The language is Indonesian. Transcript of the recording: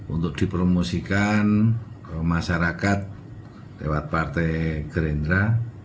untuk dipromosikan ke masyarakat lewat partai gerindra